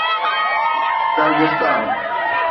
Kyrgyzstan